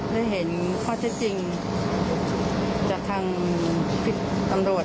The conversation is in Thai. ได้เห็นข้อเจ็บจริงจากทางพิษกำรวจด้วยนะคะ